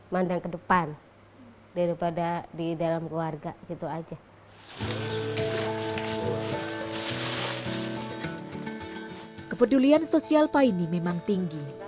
mandang ke depan daripada di dalam keluarga gitu aja kepedulian sosial paine memang tinggi